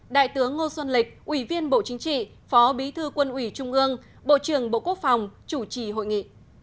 đại tướng ngô xuân lịch ủy viên bộ chính trị phó bí thư quân ủy trung ương bộ trưởng bộ quốc phòng chủ trì hội nghị